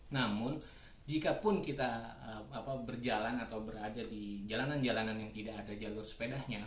namun jikapun kita berjalan atau berada di jalanan jalanan yang tidak ada jalur sepedanya